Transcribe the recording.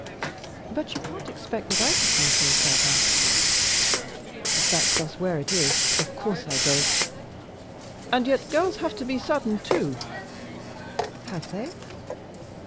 "But you can't expect that I should be so sudden?" "That's just where it is. Of course I don't. And yet girls have to be sudden too." "Have they?"